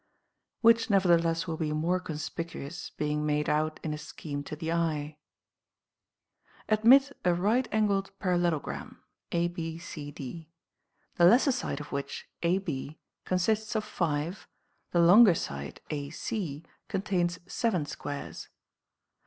Which nevertheless will be more conspicuous, being made out in a scheme to the eye. Admit a right angled parallelogram, A Β C D, the lesser side of which A Β consists of five, the longer side „„ AC contains seven squares.